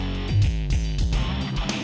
terima kasih chandra